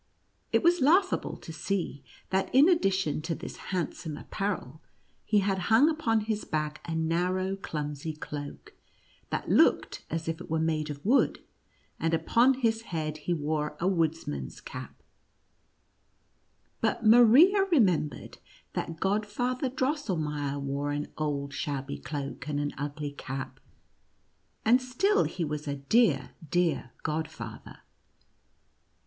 It was laughable to see, that in addition to this handsome apparel, he had hung upon his back a narrow clumsy cloak, that looked as if it were made of wood, and upon his head he wore a woodman's cap ; but Maria re membered that Godfather Drosselmeier wore an old shabby cloak and an ugly cap, and still he was a dear, dear godfather.